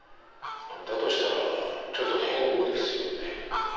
だとしたらちょっと変ですよね。